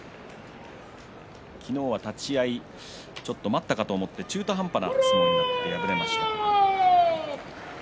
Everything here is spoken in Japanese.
昨日は立ち合いちょっと待ったかと思って中途半端な相撲になって敗れました。